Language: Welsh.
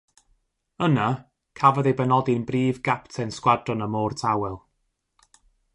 Yna, cafodd ei benodi'n Brif Gapten Sgwadron y Môr Tawel.